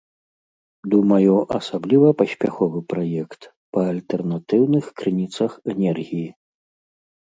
Думаю, асабліва паспяховы праект па альтэрнатыўных крыніцах энергіі.